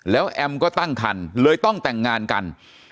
แล้วแอมก็ตั้งคันเลยต้องแต่งงานกัน